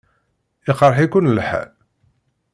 Iqṛeḥ-iken lḥal?